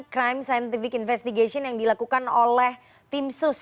crime scientific investigation yang dilakukan oleh tim sus